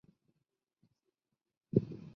序列写作。